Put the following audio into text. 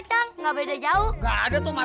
saat sven dikumpulkan